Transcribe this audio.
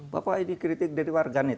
bapak ini kritik dari warganet